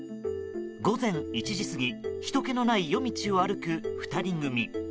午前１時過ぎひとけのない夜道を歩く２人組。